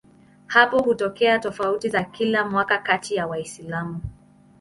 Hapa hutokea tofauti za kila mwaka kati ya Waislamu.